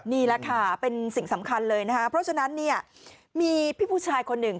นี่แหละค่ะเป็นสิ่งสำคัญเลยนะคะเพราะฉะนั้นเนี่ยมีพี่ผู้ชายคนหนึ่ง